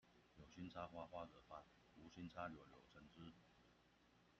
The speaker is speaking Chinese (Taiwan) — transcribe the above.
有心插花花惹發，無心插柳柳橙汁